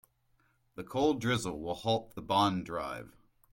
The cold drizzle will halt the bond drive.